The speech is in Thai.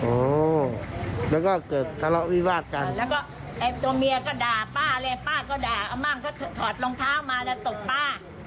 โอ้แล้วก็เกิดทะเลาะวิวาดกันแล้วก็ไอ้ตัวเมียก็ด่าป้าเลยป้าก็ด่าอาม่ามก็ถอดรองเท้ามาแล้วตบป้า